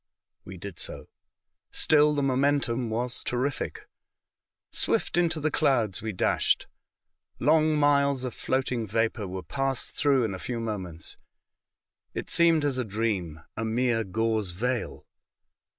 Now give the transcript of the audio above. We did so. Still the momentum was terrific. Swift into the clouds we dashed. Long miles of floating vapour were passed through in a few moments. It seemed as a dream, a mere gauze veil.